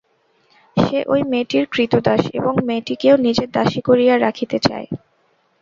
সে ঐ মেয়েটির ক্রীতদাস, এবং মেয়েটিকেও নিজের দাসী করিয়া রাখিতে চায়।